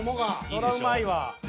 そらうまいわ。